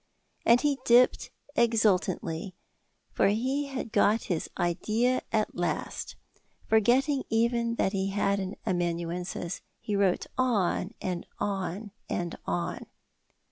And he dipped exultantly, for he had got his idea at last. Forgetting even that he had an amanuensis, he wrote on and on and on.